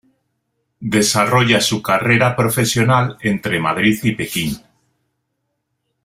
Desarrolla su carrera profesional entre Madrid y Pekín.